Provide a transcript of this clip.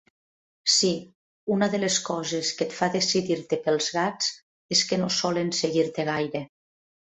Sí, una de les coses que et fa decidir-te pels gats és que no solen seguir-te gaire.